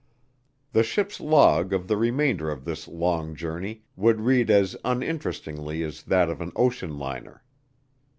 The ship's log of the remainder of this long journey would read as uninterestingly as that of an ocean liner.